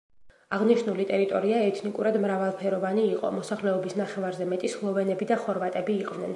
აღნიშნული ტერიტორია ეთნიკურად მრავალფეროვანი იყო, მოსახლეობის ნახევარზე მეტი სლოვენები და ხორვატები იყვნენ.